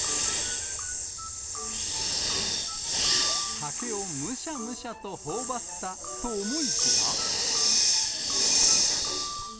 竹をむしゃむしゃとほおばったと思いきや。